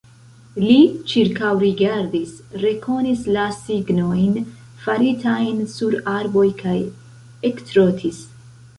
Li ĉirkaŭrigardis, rekonis la signojn, faritajn sur arboj kaj ektrotis.